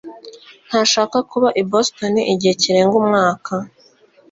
ntashaka kuba i Boston igihe kirenga umwaka.